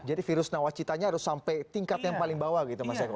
jadi virus nawacitanya harus sampai tingkat yang paling bawah gitu mas eko ya